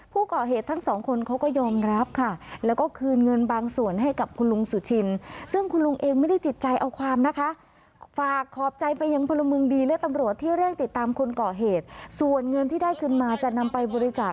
เป็นคนที่มีความหวังดีมากแหละ